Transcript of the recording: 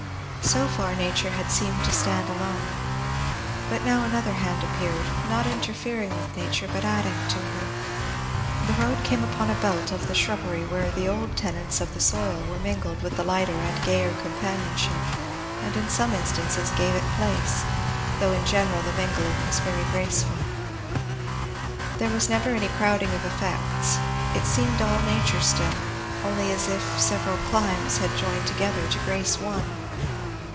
So far nature had seemed to stand alone. But now another hand appeared, not interfering with nature but adding to her. The road came upon a belt of the shrubbery where the old tenants of the soil were mingled with lighter and gayer companionship and in some instances gave it place; though in general the mingling was very graceful. There was never any crowding of effects; it seemed all nature still, only as if several climes had joined together to grace one.